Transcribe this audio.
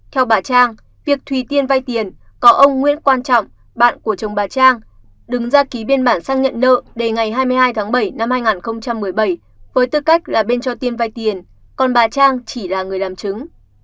theo bà trang việc thùy tiên vay tiền có ông nguyễn quan trọng bạn của chồng bà trang đứng ra ký biên bản sang nhận nợ đến ngày hai mươi hai tháng bảy năm hai nghìn một mươi bảy với tư cách là bên cho tiên vay tiền còn bà trang chỉ là người làm chứng